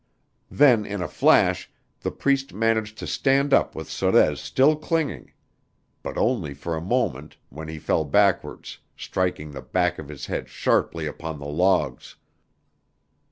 Then in a flash the Priest managed to stand up with Sorez still clinging. But only for a moment, when he fell backwards, striking the back of his head sharply upon the logs.